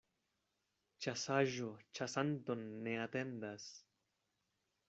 Ĉasaĵo ĉasanton ne atendas.